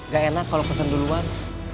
gak enak kalau pesen duluan